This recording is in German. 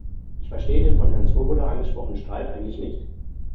Ich verstehe den von Herrn Swoboda angesprochenen Streit eigentlich nicht.